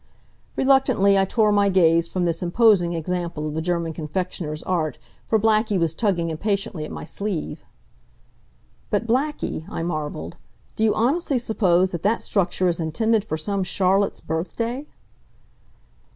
Reluctantly I tore my gaze from this imposing example of the German confectioner's art, for Blackie was tugging impatiently at my sleeve. "But Blackie," I marveled, "do you honestly suppose that that structure is intended for some Charlotte's birthday?"